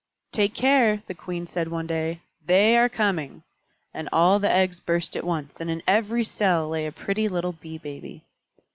"Take care," the Queen said one day. "They are coming!" And all the eggs burst at once, and in every cell lay a pretty little Bee Baby.